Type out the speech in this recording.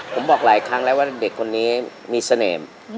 ผมบอกหลายครั้งแล้วว่าเด็กคนนี้มีเสน่ห์